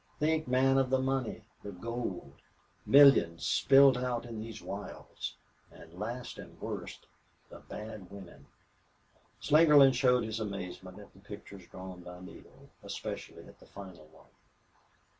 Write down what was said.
Think, man, of the money the gold! Millions spilled out in these wilds!... And last and worst the bad women!" Slingerland showed his amazement at the pictures drawn by Neale, especially at the final one.